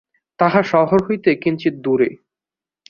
তাহা শহর হইতে কিঞ্চিৎ দূরে।